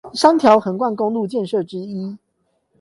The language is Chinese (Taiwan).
三條橫貫公路建設之一